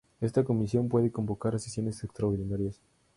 Esta comisión puede convocar a sesiones extraordinarias.